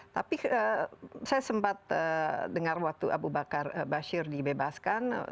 tapi saya sempat dengar waktu abu bakar bashir dibebaskan